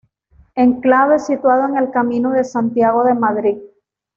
Enclave situado en el Camino de Santiago de Madrid.